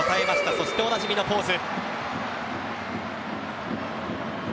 そして、おなじみのポーズ。